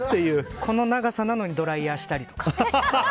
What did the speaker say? この長さなのにドライヤーしたりとか。